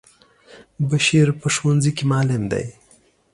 بشیر په ښونځی کی معلم دی.